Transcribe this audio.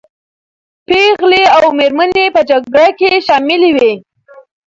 پېغلې او مېرمنې په جګړه کې شاملي وې.